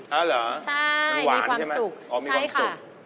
อ๋อเหรอมันหวานใช่ไหมมีความสุขใช่ค่ะใช่มันหวานใช่ไหมอ๋อมีความสุข